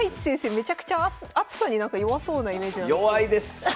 めちゃくちゃ熱さになんか弱そうなイメージなんですけど。